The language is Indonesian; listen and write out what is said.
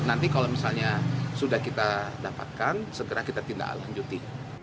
nanti kalau misalnya sudah kita dapatkan segera kita tindak lanjuti